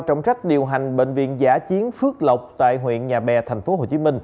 trọng trách điều hành bệnh viện giả chiến phước lộc tại huyện nhà bè tp hcm